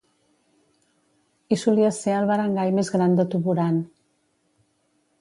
I solia ser el barangay més gran de Tuburan.